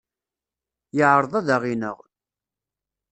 Yeɛreḍ ad aɣ-ineɣ.